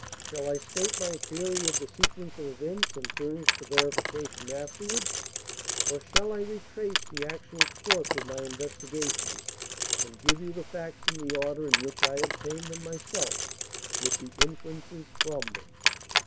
Shall I state my theory of the sequence of events and furnish the verification afterwards? Or shall I retrace the actual course of my investigations and give you the facts in the order in which I obtained them myself, with the inferences from them?"